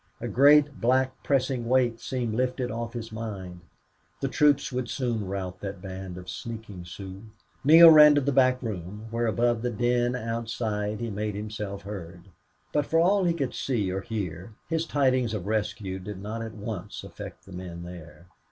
A great black pressing weight seemed lifted off his mind. The troops would soon rout that band of sneaking Sioux. Neale ran to the back room, where, above the din outside, he made himself heard. But for all he could see or hear his tidings of rescue did not at once affect the men there.